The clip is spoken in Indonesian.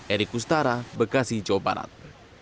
erik kustara bekasi jawa barat